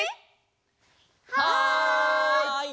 はい！